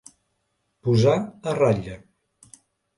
Posar a ratlla.